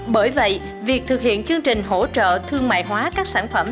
bởi vậy việc thực hiện chương trình hỗ trợ thương mại hóa các sản phẩm